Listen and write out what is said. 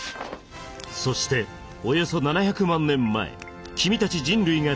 そしておよそ７００万年前君たち人類が登場。